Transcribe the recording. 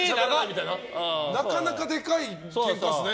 なかなかでかいケンカですね。